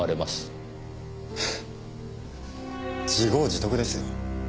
フッ自業自得ですよ。